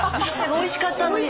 おいしかったのに。